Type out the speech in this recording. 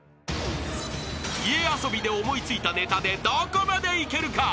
［家遊びで思い付いたネタでどこまでいけるか？］